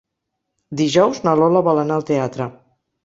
Dijous na Lola vol anar al teatre.